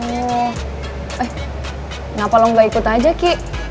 eh kenapa lo gak ikutan aja ki